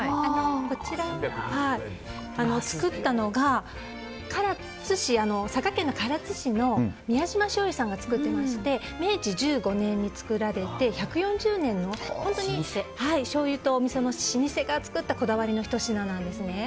こちら、作ったのが佐賀県唐津市の宮島醤油さんが作っていまして明治１５年に作られて１４０年の、本当にしょうゆとおみその老舗が作ったこだわりのひと品なんですね。